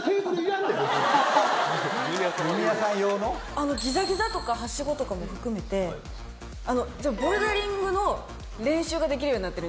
あのギザギザとかハシゴとかも含めてボルダリングの練習ができるようになってる。